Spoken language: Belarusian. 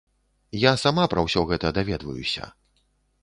Я сама пра ўсё гэта даведваюся.